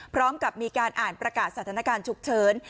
พร้อมกับมีการอ่านประกาศสถานการณ์ฉุกเฉิน